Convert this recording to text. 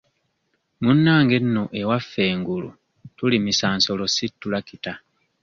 Munnange nno ewaffe engulu tulimisa nsolo si tulakita.